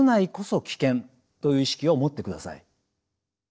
という意識を持ってください。